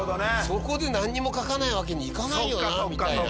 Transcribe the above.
そこで何も書かないわけにいかないよなみたいな。